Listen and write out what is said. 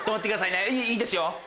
ねいいいですよ。